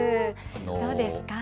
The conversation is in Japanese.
どうですか。